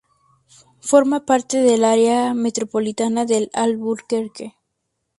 Forma parte del área metropolitana de Albuquerque.